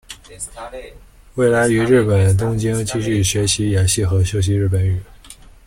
未来于日本东京继续学习演戏和修习日本语。